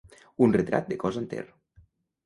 Un retrat de cos enter.